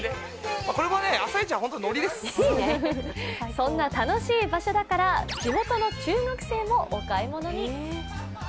そんな楽しい場所だから地元の中学生もお買い物に。